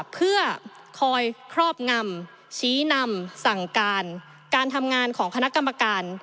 เพื่อคอยครอบงำชี้นำสั่งการการทำงานของคณะกรรมการ